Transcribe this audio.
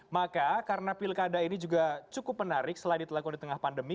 maka karena pilkada ini juga cukup menarik selain dilakukan di tengah pandemi